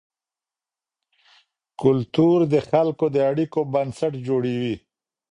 کلتور د خلکو د اړیکو بنسټ جوړوي.